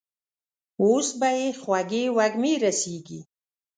اوس به يې خوږې وږمې رسېږي.